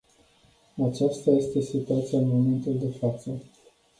Aceasta este situația în momentul de față.